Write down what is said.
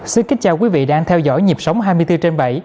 xin kính chào quý vị đang theo dõi nhịp sống hai mươi bốn trên bảy